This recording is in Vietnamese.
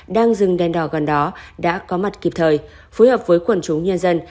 đang dừng đèn đỏ gần đó đã có mặt kịp thời phối hợp với quần chúng nhân dân